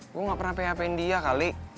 gue gak pernah php in dia kali